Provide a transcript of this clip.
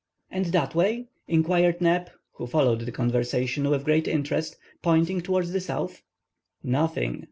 "And that way?" inquired Neb, who followed the conversation with great interest, pointing towards the south. "Nothing!"